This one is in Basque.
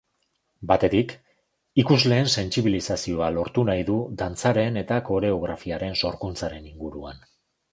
Batetik, ikusleen sentsibilizazioa lortu nahi du dantzaren eta koreografiaren sorkuntzaren inguruan.